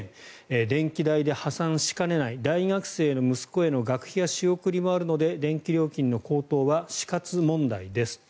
電気代で破産しかねない大学生の息子への学費や仕送りもあるので電気料金の高騰は死活問題です。